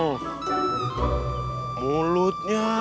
pengulutnya uwob tetep